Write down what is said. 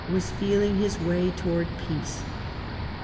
was feeling his way towards peace.